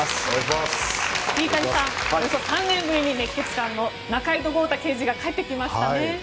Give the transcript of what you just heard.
桐谷さん、およそ３年ぶりに熱血漢の仲井戸豪太刑事が帰ってきましたね。